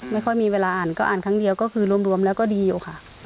ไม่ค่อยมีเวลาอ่านก็อ่านครั้งเดียวก็คือรวมแล้วก็ดีอยู่ค่ะ